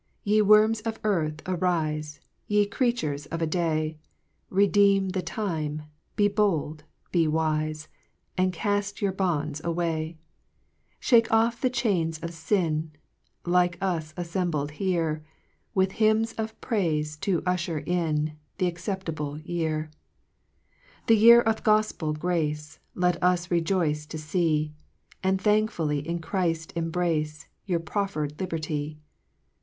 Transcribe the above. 1 "V7"E worms of earth, arife, JL Yc creatures of a day, Redeem the time, be bold, be wife, And caft your bonds away ; Shake oft" the chains of fin, Like us affembled here. With hymns of praife to ufiier in The acceptable year. 2 The year of gofpel grace Like us rejoice to fee, And thankfully in Christ embrace, Your proffcr'd liberty.